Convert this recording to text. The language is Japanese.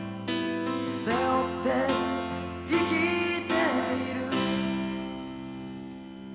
「背負って生きている」